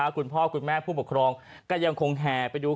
คุณพ่อคุณแม่ผู้ปกครองก็ยังคงแห่ไปดู